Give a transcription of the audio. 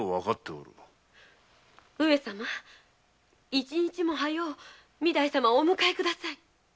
一日も早う御台様をお迎えください。